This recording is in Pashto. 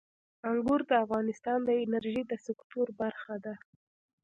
انګور د افغانستان د انرژۍ د سکتور برخه ده.